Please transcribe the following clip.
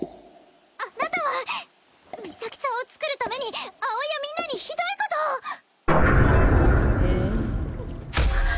あなたはミサキさんを作るために葵やみんなにひどいことをええはっ